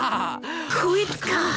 こいつか！